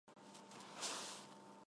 Հարուստ է ձայնավորներով։